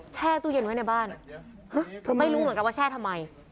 ตู้เย็นไว้ในบ้านไม่รู้เหมือนกันว่าแช่ทำไม